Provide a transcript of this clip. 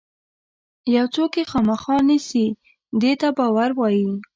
یو څوک یې خامخا نیسي دې ته باور وایي.